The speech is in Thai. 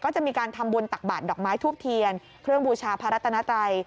ก็จะมีการทำบุญตักบาทดอกไม้ทูบเทียนเครื่องบูชาพระรัตนาไตร